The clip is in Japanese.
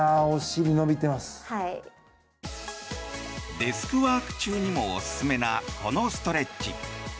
デスクワーク中にもおすすめなこのストレッチ。